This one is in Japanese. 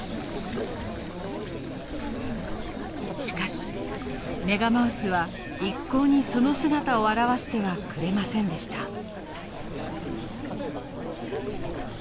しかしメガマウスは一向にその姿を現してはくれませんでした。